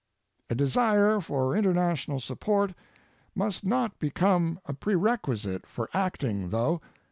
A desire for international support must not become a prerequisite for acting, though.